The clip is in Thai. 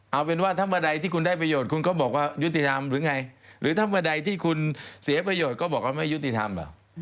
เอาเป็นว่าถ้าเมื่อใดที่คุณได้ประโยชน์คุณก็บอกว่ายุติธรรมหรือไงหรือถ้าเมื่อใดที่คุณเสียประโยชน์ก็บอกว่าไม่ยุติธรรมเหรอ